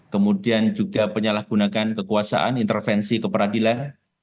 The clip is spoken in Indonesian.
kemudian juga penyalahgunakan kekuasaan intervensi keperadilan